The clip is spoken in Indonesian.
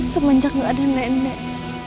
semenjak gak ada nenek